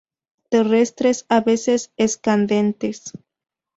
Terrestres, a veces escandentes.